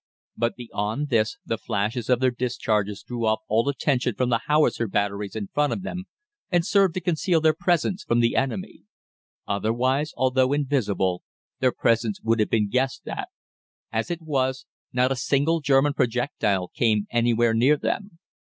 But beyond this the flashes of their discharges drew off all attention from the howitzer batteries in front of them, and served to conceal their presence from the enemy. Otherwise, although invisible, their presence would have been guessed at. As it was, not a single German projectile came anywhere near them.